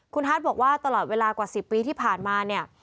คุณฮาร์ดบอกว่าตลอดเวลากว่า๑๐ปีที่ผ่านมาเนี่ย